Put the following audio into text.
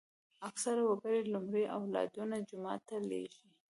اکثره وګړي لومړی اولادونه جومات ته لېږي.